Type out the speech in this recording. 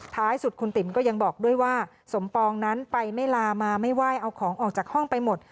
ท้ายสุดคุณติ๋มก็ยังบอกด้วยว่าสมปองนั้นไปไม่ลามาไม่ไหว้เอาของออกจากห้องไปหมด